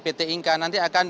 pt inka nanti akan